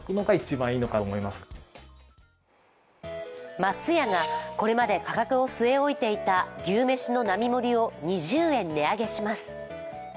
松屋がこれまで価格を据え置いていた牛めしの並盛を２０円値上げします。